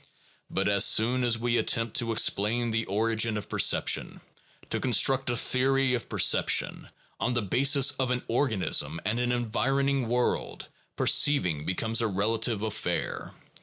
But as soon as we attempt to explain the origin of perception, to construct a theory of per ception, on the basis of an organism and an environing world, perceiving becomes a relative affair.